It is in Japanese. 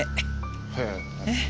へえ。